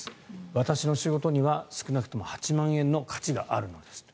私の仕事には少なくとも８万円の価値があるんですと。